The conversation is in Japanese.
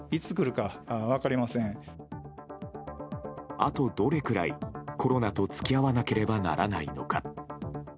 あと、どれくらいコロナと付き合わなければならないのか。